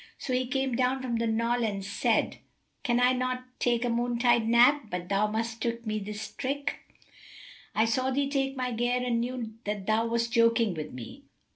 So he came down from the knoll and said, "Can I not take a noontide nap[FN#281] but thou must trick me this trick? I saw thee take my gear and knew that thou wast joking with me."